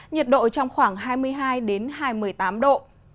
nhiệt độ trong khoảng hai mươi hai hai mươi tám độ